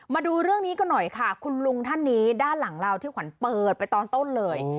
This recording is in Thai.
มาดูเรื่องนี้กันหน่อยค่ะคุณลุงท่านนี้ด้านหลังเราที่ขวัญเปิดไปตอนต้นเลย